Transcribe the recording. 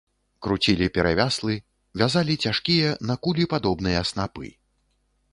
Круцілі перавяслы, вязалі цяжкія, на кулі падобныя снапы.